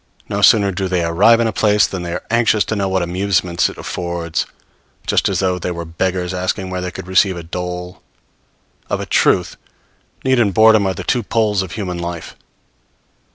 No sooner do they arrive in a place than they are anxious to know what amusements it affords; just as though they were beggars asking where they could receive a dole! Of a truth, need and boredom are the two poles of human life.